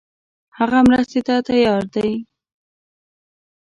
هغه مرستې ته تیار دی.